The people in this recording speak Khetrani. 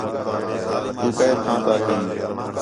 تُو کَئے تھاں تا ھیں